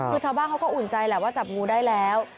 คือชาวบ้านเขาก็อุ่นใจแหละว่าจับงูได้แล้ว